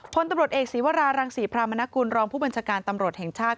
พตเศีวรารังศีพรามนกุลรองค์ผู้บัญชาการตำรวจแห่งชาติ